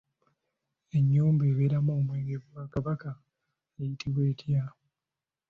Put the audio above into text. Ennyumba ebeeramu omwenge gwa Kabaka eyitibwa etya?